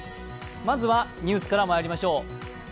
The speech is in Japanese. まずはニュースからまいりましょう。